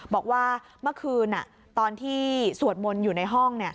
บอกว่าเมื่อคืนตอนที่สวดมนต์อยู่ในห้อง